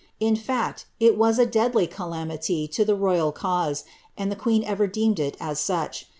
In fact, it was a deadly calamity to the royal cause, and tlie queen ever deemed it as such.